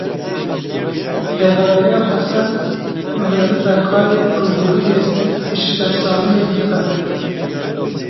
Rêveberiya Xweser li Reqayê rûbirûyê hişkesaliyê dibe.